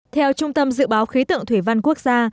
theo trung tâm dự báo khí tượng thủy văn quốc gia